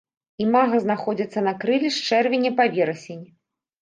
Імага знаходзяцца на крыле з чэрвеня па верасень.